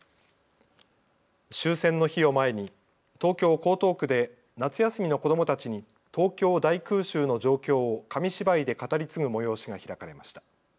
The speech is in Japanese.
終戦の日を前に東京江東区で夏休みの子どもたちに東京大空襲の状況を紙芝居で語り継ぐ催しが開かれました。